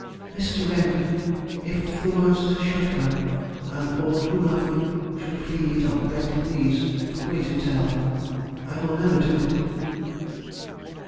"Mr. Raymond, if the worst should come, and all who love me should plead on bended knees for me to tell, I will never do it."